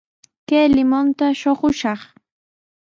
Kay limunta shuqushaq.